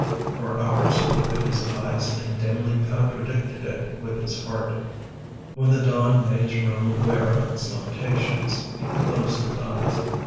For hours he gave it his eyes and dimly contradicted it with his heart. When the dawn made his room aware of its limitations, he closed his eyes.